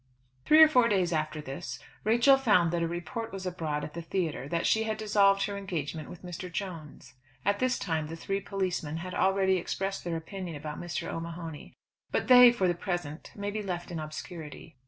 Three or four days after this, Rachel found that a report was abroad at the theatre that she had dissolved her engagement with Mr. Jones. At this time the three policemen had already expressed their opinion about Mr. O'Mahony; but they, for the present, may be left in obscurity.